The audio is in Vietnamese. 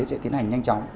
sẽ tiến hành nhanh chóng